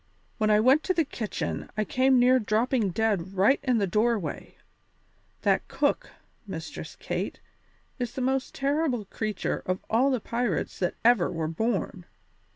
When I went to the kitchen, I came near dropping dead right in the doorway; that cook, Mistress Kate, is the most terrible creature of all the pirates that ever were born.